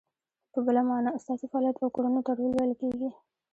په بله مانا، ستاسو فعالیت او کړنو ته رول ویل کیږي.